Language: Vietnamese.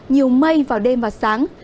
nhiều mây vào đêm và sáng